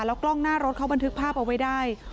กล้องหน้ารถเขาบันทึกภาพเอาไว้ได้